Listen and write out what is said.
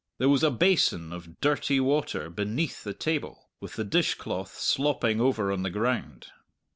There was a basin of dirty water beneath the table, with the dishcloth slopping over on the ground.